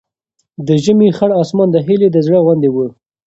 د ژمي خړ اسمان د هیلې د زړه غوندې و.